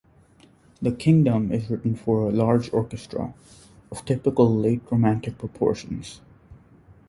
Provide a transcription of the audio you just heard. "The Kingdom" is written for a large orchestra, of typical late Romantic proportions.